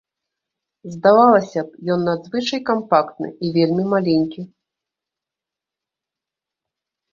Здавалася б, ён надзвычай кампактны і вельмі маленькі.